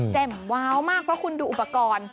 ว้าวมากเพราะคุณดูอุปกรณ์